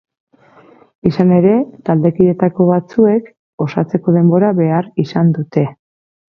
Izan ere, taldekideetako batzuek osatzeko denbora behar izan dute.